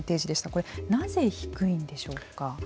これ、なぜ低いんでしょうか。